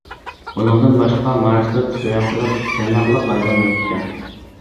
ئۇنىڭدىن باشقا مارستا تۇياقلىق، تىرناقلىق ھايۋان يوق ئىكەن.